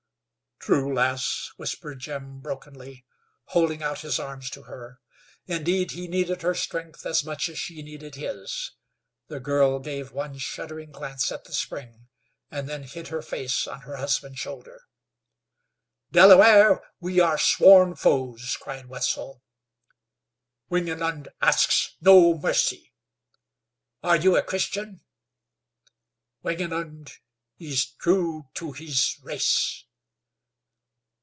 "True, lass," whispered Jim, brokenly, holding out his arms to her. Indeed, he needed her strength as much as she needed his. The girl gave one shuddering glance at the spring, and then hid her face on her husband's shoulder. "Delaware, we are sworn foes," cried Wetzel. "Wingenund asks no mercy." "Are you a Christian?" "Wingenund is true to his race."